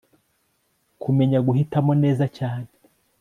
kumenya guhitamo neza cyane